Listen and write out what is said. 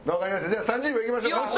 じゃあ３０秒いきましょう。